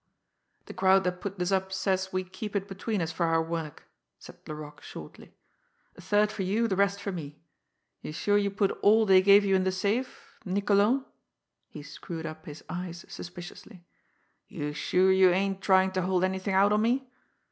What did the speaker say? "The crowd that put this up says we keep it between us for our work," said Laroque shortly. "A third for you, the rest for me. You sure you put all they gave you in the safe Niccolo?" He screwed up his eyes suspiciously. "You sure you ain't trying to hold anything out on me?